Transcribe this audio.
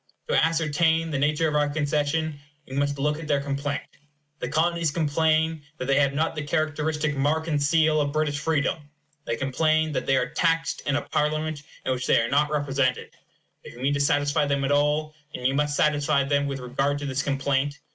To ascertain the nature of our concession, we must look at their complaint. The Colonies complain that they have not the characteristic mark and seal of British freedom. They complain that they are taxed in a Parliament in which they are not represented. If you mean to satisfy them at all, you must satisfy them with regard to this complaint.